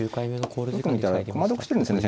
よく見たら駒得してんですね